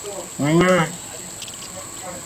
তোমার কোট আছে?